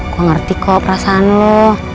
gue ngerti kok perasaan lo